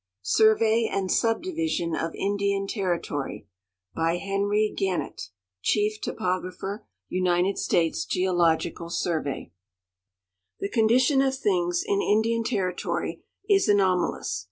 SURVEY AND SUBDIVISION OF INDIAN TERRITORY By Hexry Gannett, Chief Topographer, United States Geological Survey The condition of things in Indian Territory is anomalous.